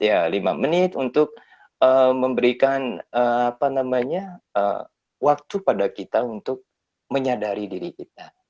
ya lima menit untuk memberikan waktu pada kita untuk menyadari diri kita